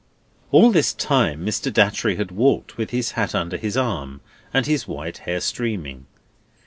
All this time Mr. Datchery had walked with his hat under his arm, and his white hair streaming.